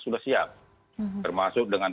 sudah siap termasuk dengan